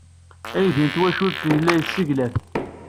Aydi n twacult yella yesseglaf.